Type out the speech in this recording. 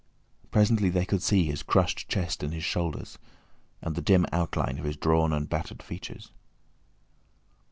Presently they could see his crushed chest and his shoulders, and the dim outline of his drawn and battered features.